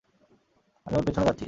আমি ওর পিছনে যাচ্ছি।